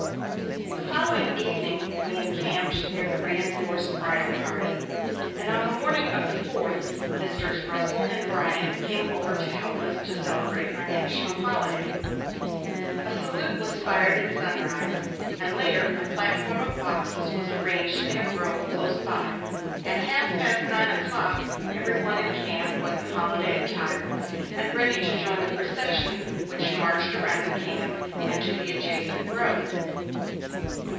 The following evening we encamped near the re enforced bridle party, and on the morning of the Fourth Messrs. Russell and Bryant came over to help us to celebrate our national holiday. A salute was fired at sunrise, and later a platform of boxes was arranged in a grove close by, and by half past nine o'clock every one in camp was in holiday attire, and ready to join the procession which marched around the camp and to the adjacent grove.